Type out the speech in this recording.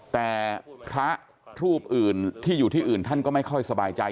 แต่พระรูปอื่นที่อยู่ที่อื่นท่านก็ไม่ค่อยสบายใจ